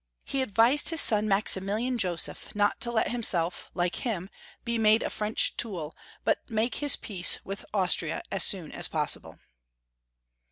He advised his son, Maximilian Joseph, not to let himself, like him, be made a French tool, but to make his peace with Austria as soon as possible.